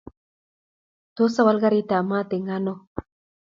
Tos, awal karitab maat eng ano?